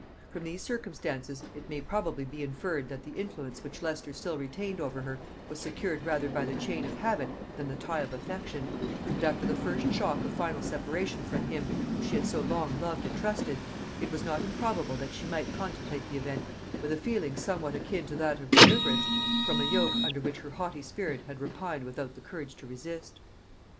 From these circumstances it may probably be inferred, that the influence which Leicester still retained over her was secured rather by the chain of habit than the tie of affection; and after the first shock of final separation from him whom she had so long loved and trusted, it is not improbable that she might contemplate the event with a feeling somewhat akin to that of deliverance from a yoke under which her haughty spirit had repined without the courage to resist.